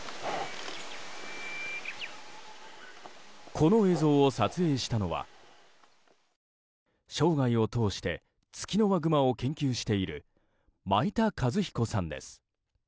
この映像を撮影したのは生涯を通してツキノワグマを研究している米田一彦さんです。